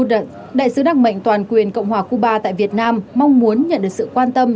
đại sứ đặc mệnh toàn quyền cộng hòa cuba tại việt nam mong muốn nhận được sự quan tâm